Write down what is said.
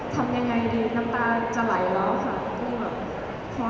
ทำยังไงดีน้ำตาจะไหลแล้วค่ะ